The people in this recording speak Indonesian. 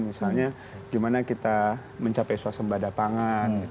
misalnya gimana kita mencapai suasana badapangan